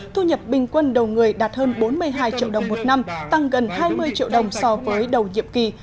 thu nhập bình quân đầu người đạt hơn bốn mươi hai triệu đồng một năm tăng gần hai mươi triệu đồng so với đầu nhiệm kỳ